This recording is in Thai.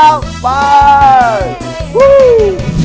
น้องไมโครโฟนจากทีมมังกรจิ๋วเจ้าพญา